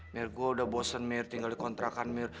mir gue udah bosen mir tinggal dikontrakan mir